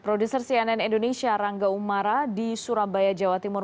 produser cnn indonesia rangga umara di surabaya jawa timur